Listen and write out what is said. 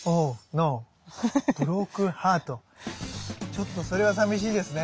ちょっとそれはさみしいですね。